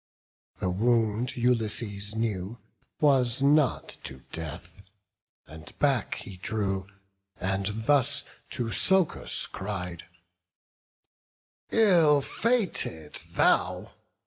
The wound, Ulysses knew, was not to death, And back he drew, and thus to Socus cried: "Ill fated thou!